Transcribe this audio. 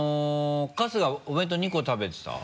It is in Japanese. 春日お弁当２個食べてた？